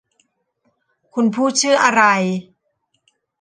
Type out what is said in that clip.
คุณพูดชื่ออะไร